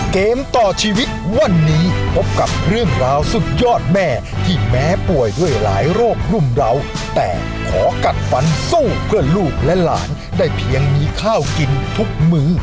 เกมต่อชีวิตวันนี้พบกับเรื่องราวสุดยอดแม่ที่แม้ป่วยด้วยหลายโรครุ่มเราแต่ขอกัดฝันสู้เพื่อลูกและหลานได้เพียงมีข้าวกินทุกมื้อ